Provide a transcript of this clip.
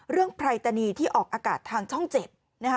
เรื่องไพรตนีที่ออกอากาศทางช่องเจ็ด